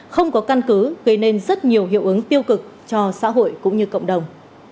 không có căn cứ gây nên rất nhiều hiệu ứng tiêu cực cho xã hội cũng như cộng đồng